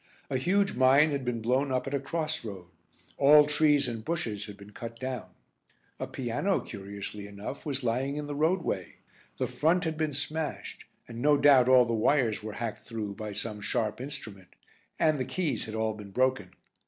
A huge mine had been blown up at a cross road; all trees and bushes had been cut down. A piano, curiously enough, was lying in the roadway; the front had been smashed, and no doubt all the wires were hacked through by some sharp instrument, and the keys had all been broken.